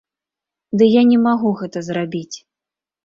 Ды я не магу гэта зрабіць.